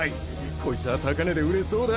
こいつは高値で売れそうだ。